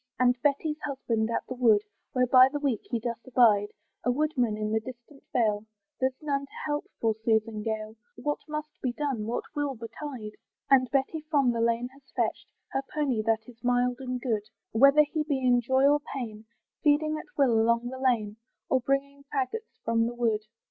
And Betty's husband's at the wood, Where by the week he doth abide, A woodman in the distant vale; There's none to help poor Susan Gale, What must be done? what will betide? And Betty from the lane has fetched Her pony, that is mild and good, Whether he be in joy or pain, Feeding at will along the lane, Or bringing faggots from the wood.